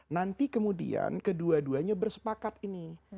nanti kemudian kedua duanya bersepakat ini